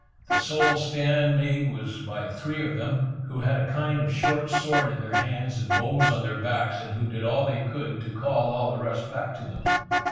The sole stand made was by three of them, who had a kind of short sword in their hands, and bows on their backs, and who did all they could to call all the rest back to them.